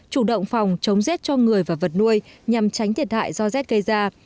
chủ động phòng chống rét cho người và vật nuôi nhằm tránh thiệt hại do rét gây ra